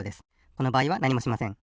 このばあいはなにもしません。